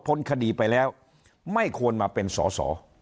คดีไปแล้วไม่ควรมาเป็นสอสอ